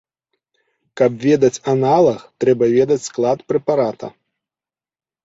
Каб ведаць аналаг, трэба ведаць склад прэпарата.